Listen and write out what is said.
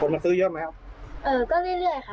โดนแตกเลยอืมคนมันซื้อเยอะไหมครับเอ่อก็เรื่อยเรื่อยค่ะ